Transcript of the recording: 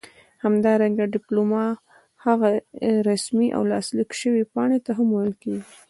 همدارنګه ډيپلوما هغې رسمي او لاسليک شوي پاڼې ته هم ويل کيږي